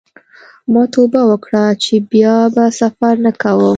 ما توبه وکړه چې بیا به سفر نه کوم.